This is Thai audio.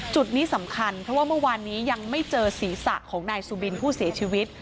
จุดนี้สำคัญเพราะว่าเมื่อวานนี้ยังไม่เจอศีรษะของนายสุบินผู้เสียชีวิต